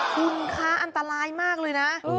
คุณคะอันตรายมากเลยนะ